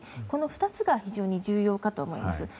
この２つが非常に重要かと思います。